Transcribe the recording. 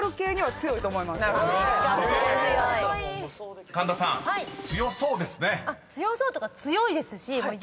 強そうというか強いですしもう。